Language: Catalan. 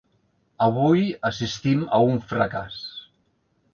Avui assistim a un fracàs.